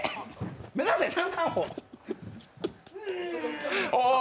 目指せ三冠王。